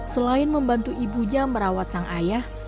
selain membantu ibunya merawat sang ayah